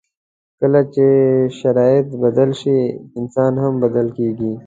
کله چې شرایط بدل شي، انسان هم بدل کېږي.